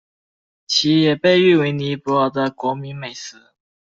其也被誉为尼泊尔的国民美食。